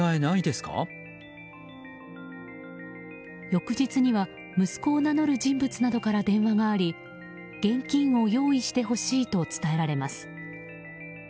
翌日には息子を名乗る人物などから電話があり現金を用意してほしいと伝えられます。